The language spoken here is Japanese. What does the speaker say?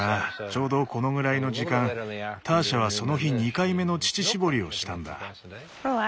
ちょうどこのぐらいの時間ターシャはその日２回目の乳搾りをしたんだ。